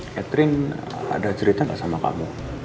catherine ada cerita nggak sama kamu